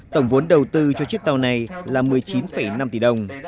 tổng vốn đầu tư cho chiếc tàu này là một mươi chín năm tỷ đồng